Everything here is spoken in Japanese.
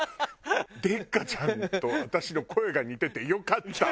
デッカチャンと私の声が似ててよかった。